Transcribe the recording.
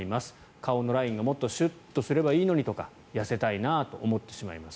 顔のラインがもっとシュッとすればいいのにとか痩せたいなと思ってしまいます。